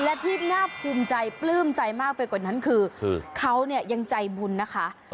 และที่น่าภูมิใจปลื้มใจมากไปกว่านั้นคือเขาเนี่ยยังใจบุญนะคะ